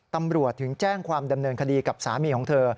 ตำรวจถึงแจ้งความดำเนินคดีกับสามีของเธอ